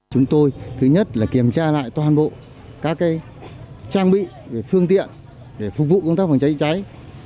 chúng tôi thứ nhất là kiểm tra lại toàn bộ các trang bị về phương tiện để phục vụ công tác phòng cháy cháy